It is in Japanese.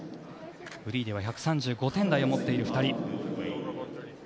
フリーでは１３５点台を持っている２人。